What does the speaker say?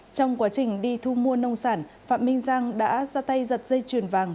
trong quá trình đi thu mua nông sản phạm minh giang đã ra tay giật dây chuyền vàng